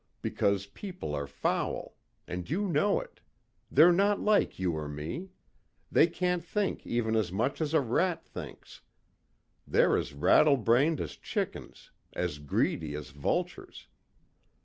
Because people are foul. And you know it. They're not like you or me. They can't think even as much as a rat thinks. They're as rattle brained as chickens, as greedy as vultures.